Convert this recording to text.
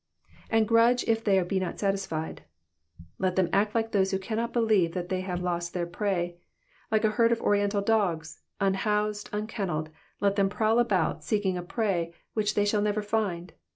^'And^ grudge if they be not satisfied,''^ Let them act like those who cannot believe that they have lost their prey : like a herd of Oriental dogs, unhoused, unken nelled, let them prowl about seeking a prey which they shall never find.